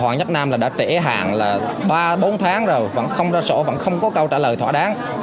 hoàng nhất nam là đã trễ hạn là ba bốn tháng rồi vẫn không ra sổ vẫn không có câu trả lời thỏa đáng